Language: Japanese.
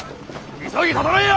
急ぎ整えよ！